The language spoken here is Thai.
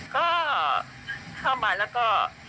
ก็เข้ามาแล้วก็